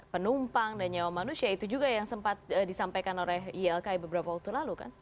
penumpang dan nyawa manusia itu juga yang sempat disampaikan oleh ylki beberapa waktu lalu kan